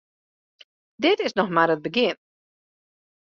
Dit is noch mar it begjin.